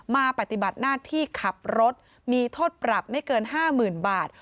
ปฏิบัติหน้าที่ขับรถมีโทษปรับไม่เกิน๕๐๐๐บาท